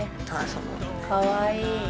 かわいい！